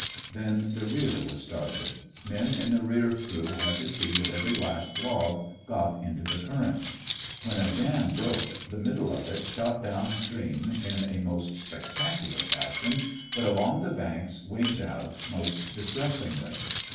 Then the "rear" was started. Men in the rear crew had to see that every last log got into the current. When a jam broke, the middle of it shot down stream in a most spectacular fashion, but along the banks "winged out" most distressingly.